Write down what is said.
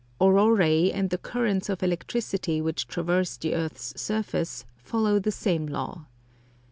Auroræ, and the currents of electricity which traverse the earth's surface, follow the same law.